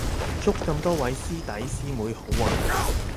祝咁多位師弟師妹好運